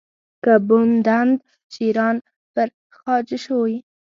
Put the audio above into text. که بودند شیران پرخاشجوی